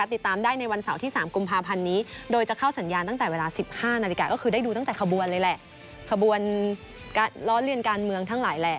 ติดตามได้ในวันเสาร์ที่๓กุมภาพันธ์นี้โดยจะเข้าสัญญาณตั้งแต่เวลา๑๕นาฬิกาก็คือได้ดูตั้งแต่ขบวนเลยแหละขบวนการล้อเลียนการเมืองทั้งหลายแหละ